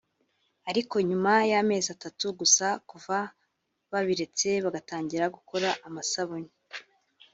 ariko nyuma y’amezi atatu gusa kuva babiretse bagatangira gukora amasabune